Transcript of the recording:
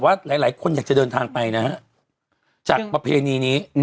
ว่าหลายคนอยากจะเดินทางไปนะฮะจากประเพณีนี้